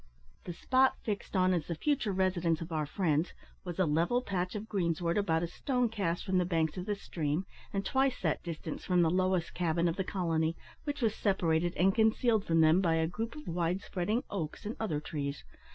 The spot fixed on as the future residence of our friends was a level patch of greensward about a stone cast from the banks of the stream, and twice that distance from the lowest cabin of the colony, which was separated and concealed from them by a group of wide spreading oaks and other trees.